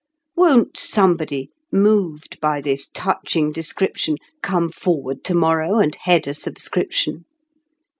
Won't somebody, moved by this touching description, Come forward to morrow and head a subscription?